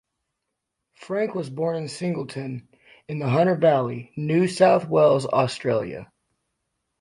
Frank was born in Singleton, in the Hunter Valley, New South Wales, Australia.